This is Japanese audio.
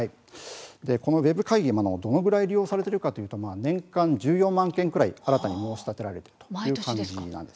ウェブ会議がどのくらい利用されているかというと年間１４万件ほど新たに申し立てられています。